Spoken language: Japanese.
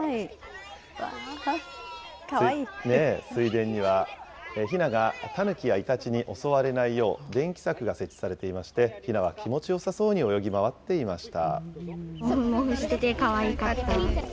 水田にはひながタヌキやイタチに襲われないよう、電気柵が設置されていまして、ひなは気持ちよさそうに泳ぎ回っていました。